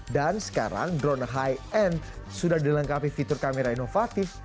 dan sekarang drone high end sudah dilengkapi fitur kamera inovatif